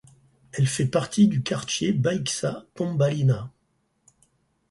Elle fait partie du quartier Baixa pombalina.